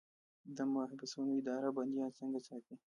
د محبسونو اداره بندیان څنګه ساتي؟